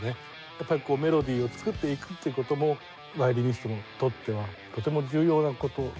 やっぱりメロディを作っていくっていう事もヴァイオリニストにとってはとても重要な事だと思うので。